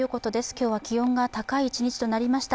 今日は気温が高い一日となりました。